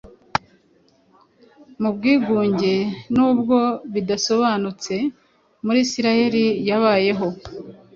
Mu bwigunge, nubwo bidasobanutse, muri Isiraheli yabayeho,